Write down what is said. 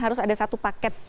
harus ada satu paket